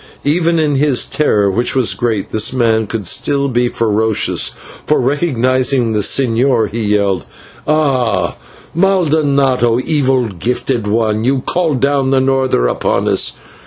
Even in his terror, which was great, this man could still be ferocious, for, recognising the señor, he yelled: "Ah! /maldonado/ evil gifted one you called down the norther upon us.